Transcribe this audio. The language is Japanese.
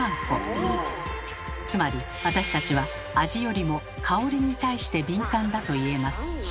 つまり私たちは味よりも香りに対して敏感だといえます。